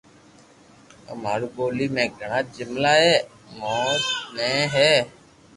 آ مارو ٻولي ۾ گھڙا جملا اي مون ٺي ھي